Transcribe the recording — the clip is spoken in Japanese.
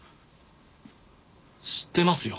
知ってますよ。